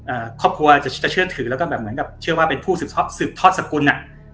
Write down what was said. อ่าครอบครัวจะจะเชื่อถือแล้วก็แบบเหมือนกับเชื่อว่าเป็นผู้สืบทอดสืบทอดสกุลอ่ะ